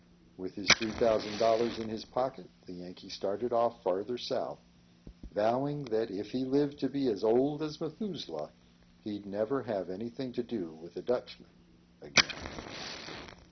With his three thousand dollars in his pocket, the Yankee started off farther South, vowing that, if he lived to be as old as Methuselah, he'd never have any thing to do with a Dutchman again.